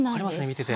見てて。